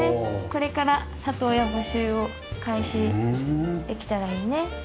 これから里親募集を開始できたらいいね。